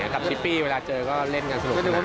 กับชิปปี้เวลาเจอก็เล่นกันสนุกกันนะ